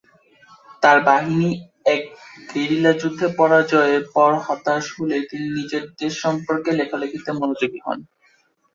তার বাহিনী এক গেরিলা যুদ্ধে পরাজয়ের পর হতাশ হলে তিনি নিজের দেশ সম্পর্কে লেখালেখিতে মনোযোগী হন।